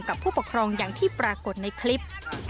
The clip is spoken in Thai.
ผู้ปกครองอย่างที่ปรากฏในคลิป